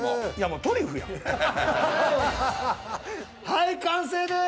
はい完成です！